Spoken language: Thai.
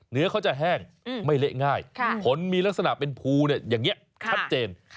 เนื้อเขาจะแห้งไม่เละง่ายผลมีลักษณะเป็นภูอย่างนี้ชัดเจน